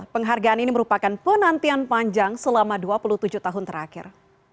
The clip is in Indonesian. penghargaan ini merupakan penantian panjang selama dua puluh tujuh tahun terakhir